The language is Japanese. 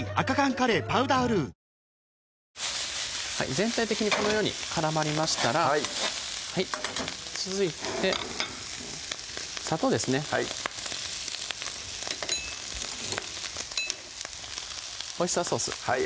全体的にこのように絡まりましたら続いて砂糖ですねはいオイスターソースはい